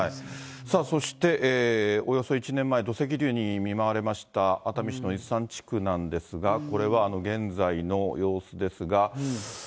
そして、およそ１年前、土石流に見舞われました、熱海市の伊豆山地区なんですが、これは現在の様子ですが。